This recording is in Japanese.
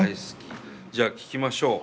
じゃあ聴きましょう。